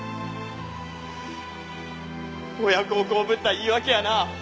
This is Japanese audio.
親孝行ぶった言い訳やな。